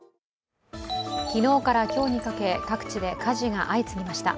昨日から今日にかけ、各地で火事が相次ぎました。